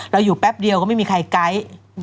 อยู่แป๊บเดียวก็ไม่มีใครไกด์